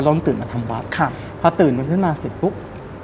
ต้องตื่นมาทำวัดครับพอตื่นมาขึ้นมาเสร็จปุ๊บ